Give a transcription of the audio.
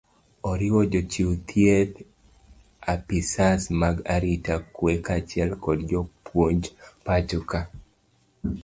oriwo jochiw thieth ,apisas mag arita kwee kaachiel kod jopuony pacho ka